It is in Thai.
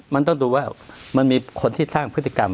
มันต้องดูว่ามันมีคนที่สร้างพฤติกรรม